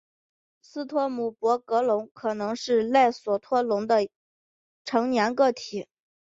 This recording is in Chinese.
斯托姆博格龙可能是赖索托龙的成年个体。